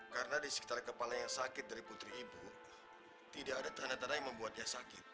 karena di sekitar kepala yang sakit dari putri ibu tidak ada tanda tanda yang membuatnya sakit